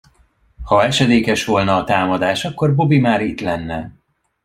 Ha esedékes volna a támadás, akkor Bobby már itt lenne.